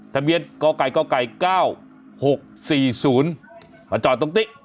ทะเบียนกไก่กไก่๙๖๔๐มาจอดตรงนี้